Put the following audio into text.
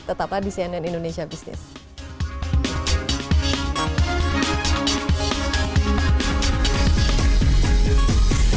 tetaplah di cnn indonesia business